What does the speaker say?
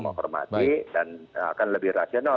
menghormati dan akan lebih rasional